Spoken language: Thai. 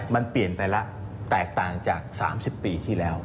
มันเปลี่ยนไปแล้วแตกต่างจาก๓๐ปีที่แล้ว